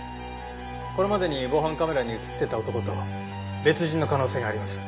これまでに防犯カメラに映ってた男と別人の可能性があります。